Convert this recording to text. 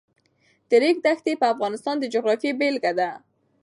د ریګ دښتې د افغانستان د جغرافیې بېلګه ده.